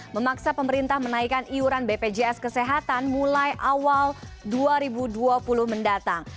memaksa pemerintah menaikkan iuran bpjs kesehatan mulai awal dua ribu dua puluh mendatang